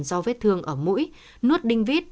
do vết thương ở mũi nuốt đinh vít